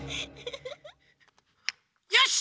よし！